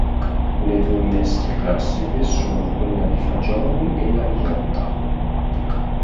Le due minestre "classiche" sono quella di fagioli e la jota.